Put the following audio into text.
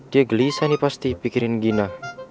dia gelisah nih pasti pikirin gina